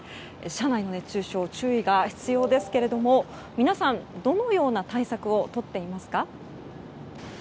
車内の熱中症に注意が必要ですが皆さん、どのような対策をとっていますか？